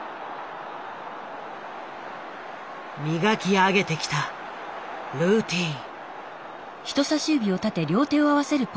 磨き上げてきたルーティーン。